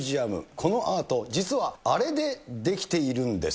このアート、実はあれで出来ているんです。